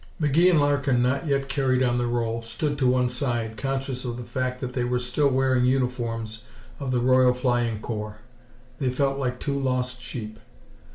McGee and Larkin, not yet carried on the roll, stood to one side, conscious of the fact that they were still wearing uniforms of the Royal Flying Corps. They felt like two lost sheep.